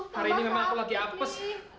hari ini memang aku lagi apes